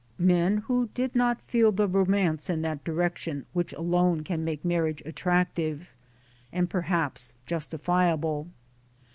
96 MY DAYS AND DREAMS who did not feel the romance in that direction which alone can make marriage attractive, and perhaps justifiable.